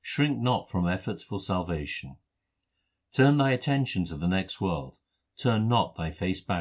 Shrink not from efforts for salvation : Turn thine attention to the next world ; turn not thy face backward.